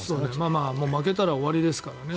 負けたら終わりですからね。